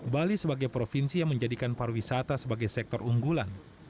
bali sebagai provinsi yang menjadikan pariwisata sebagai sektor unggulan